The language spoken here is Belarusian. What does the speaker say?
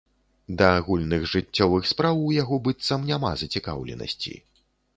Да агульных жыццёвых спраў у яго быццам няма зацікаўленасці.